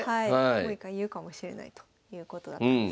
もう一回言うかもしれないということだったんですね。